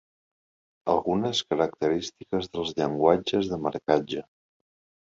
Algunes característiques dels llenguatges de marcatge.